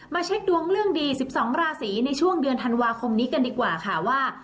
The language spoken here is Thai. เช็คดวงเรื่องดี๑๒ราศีในช่วงเดือนธันวาคมนี้กันดีกว่าค่ะว่า